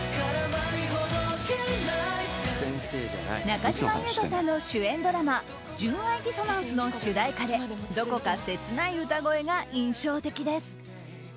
中島裕翔さんの主演ドラマ「純愛ディソナンス」の主題歌でどこか切ない歌声が印象的です。